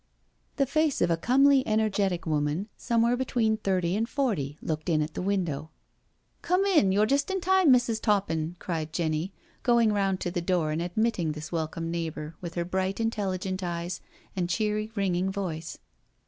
"' The face of a comely energetic woman somewhere between thirty and forty looked in at the window, " Come in, yo*re just in time, Mrs. Toppin," cried Jenny, going round to the door and admitting this welcome neighbour, with her bright, intelligent eyes and cheery ringing voice.